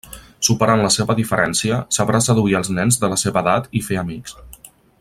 Superant la seva diferència, sabrà seduir els nens de la seva edat i fer amics.